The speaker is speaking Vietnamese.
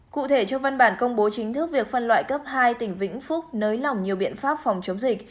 cụ thể cho văn bản công bố chính thức việc phân loại cấp hai tỉnh vĩnh phúc nới lỏng nhiều biện pháp phòng chống dịch